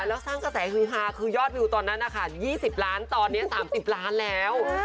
แล้วสร้างกระแสฮือฮาคือยอดวิวตอนนั้นนะคะ๒๐ล้านตอนนี้๓๐ล้านแล้ว